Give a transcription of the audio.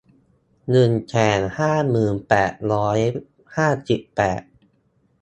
หนึ่งแสนห้าหมื่นแปดร้อยห้าสิบแปด